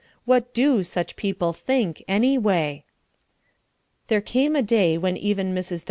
What do such people think, anyway? There came a day when even Mrs. Dr.